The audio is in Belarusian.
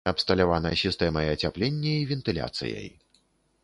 Абсталявана сістэмай ацяплення і вентыляцыяй.